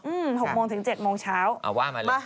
อืม๖โมงถึง๗โมงเช้าเอาว่ามาเลย